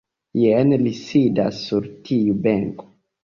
Jen li sidas sur tiu benko.